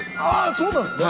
そうなんですね！